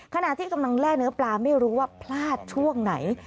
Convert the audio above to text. ขณะที่กำลังแร่เนื้อปลาไม่รู้ว่าพลาดช่วงไหน